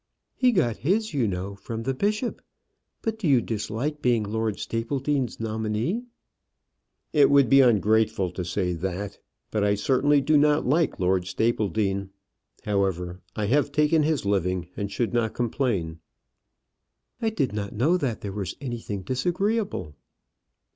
"He got his, you know, from the bishop. But do you dislike being Lord Stapledean's nominee?" "It would be ungrateful to say that; but I certainly do not like Lord Stapledean. However, I have taken his living, and should not complain." "I did not know that there was anything disagreeable."